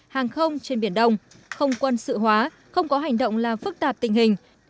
hàng không trên biển đông không quân sự hóa không có hành động làm phức tạp tình hình